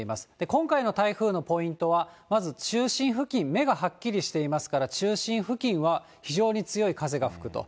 今回の台風のポイントは、まず、中心付近、目がはっきりしていますから、中心付近は非常に強い風が吹くと。